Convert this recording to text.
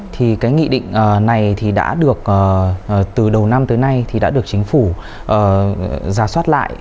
thì cái nghị định này thì đã được từ đầu năm tới nay thì đã được chính phủ giả soát lại